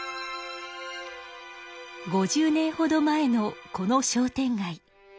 ５０年ほど前のこの商店街。